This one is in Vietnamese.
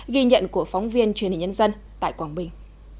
ghi nhận của phóng viên truyền hình nhân dân tại quảng bình